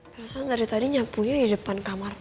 perasaan tadi nyapunya di depan kamar tadi